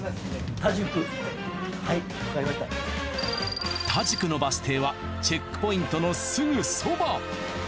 田宿のバス停はチェックポイントのすぐそば。